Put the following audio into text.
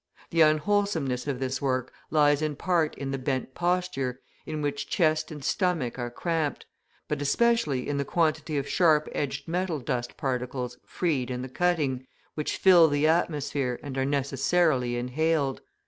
The unwholesomeness of this work lies in part in the bent posture, in which chest and stomach are cramped; but especially in the quantity of sharp edged metal dust particles freed in the cutting, which fill the atmosphere, and are necessarily inhaled.